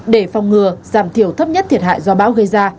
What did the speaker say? để phòng ngừa giảm thiểu thấp nhất thiệt hại do bão gây ra